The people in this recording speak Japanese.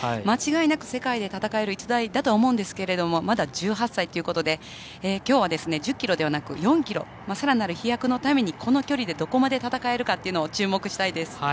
間違いなく世界で戦える逸材だとは思うんですけれどもまだ１８歳ということできょうは、１０ｋｍではなく４ｋｍ、さらなる飛躍のためにこの距離でどこまで戦えるかというのを注目したいです。